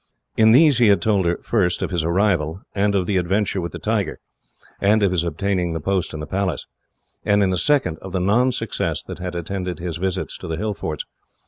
In these he had told her, first, of his arrival and of the adventure with the tiger, and of his obtaining the post in the Palace; and in the second of the non success that had attended his visits to the hill forts.